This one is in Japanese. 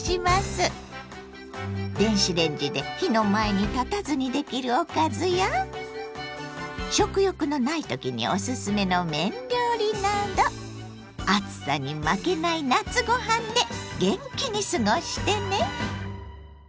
電子レンジで火の前に立たずにできるおかずや食欲のない時におすすめの麺料理など暑さに負けない夏ご飯で元気に過ごしてね！